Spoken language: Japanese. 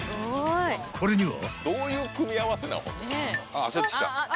［これには］